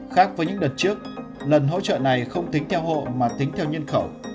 khác với những đợt trước lần hỗ trợ này không tính theo hộ mà tính theo nhân khẩu